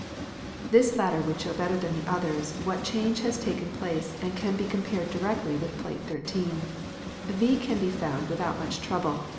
This latter would show better than the others what change has taken place and can be compared directly with plate 18. V can be found with out much trouble.